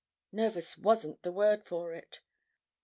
Nervous wasn't the word for it.